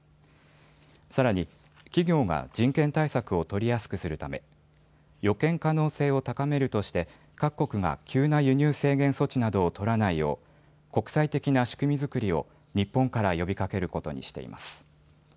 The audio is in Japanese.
さらに企業が人権対策を取りやすくするため予見可能性を高めるとして各国が急な輸入制限措置などを取らないよう国際的な仕組み作りを日本から呼びかけることにしています。